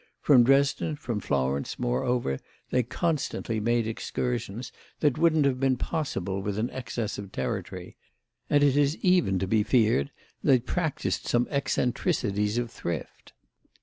From Dresden, from Florence, moreover, they constantly made excursions that wouldn't have been possible with an excess of territory; and it is even to be feared they practised some eccentricities of thrift.